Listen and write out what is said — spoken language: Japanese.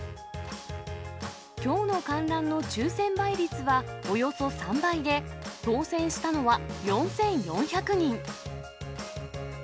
きょうの観覧の抽せん倍率は、およそ３倍で、当せんしたのは４４００人。